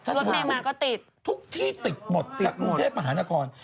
ถุกที่ติดหมดจากรุงเทพหานคร